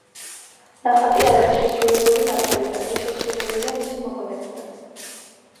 ნახატი არ არის შესრულებული ნატურიდან, ის შესრულებულია მისი მოგონებიდან.